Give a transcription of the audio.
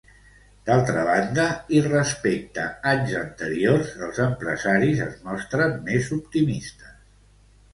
D'altra banda, i respecte anys anteriors, els empresaris es mostren més optimistes.